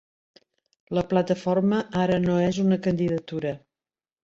La plataforma ara no és una candidatura.